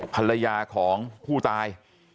ภรรยาของผู้ตาย